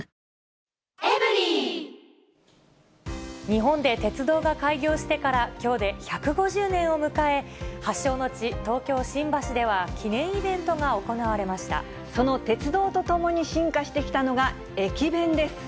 日本で鉄道が開業してから、きょうで１５０年を迎え、発祥の地、東京・新橋では記念イベントその鉄道とともに進化してきたのが駅弁です。